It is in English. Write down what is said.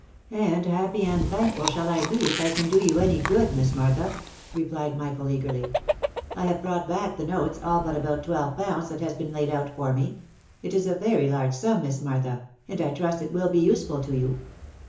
M And happy and thankful shall I be if I can do you any good, Miss Martha !'* replied Michael, eagerly. "I have brought back the notes, all but about twelve pounds, that has been laid out for me. It is a very large sum, Miss Martha, and I trust it will be useful to you."